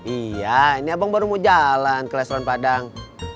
iya ini abang baru mau jalan ke restoran padang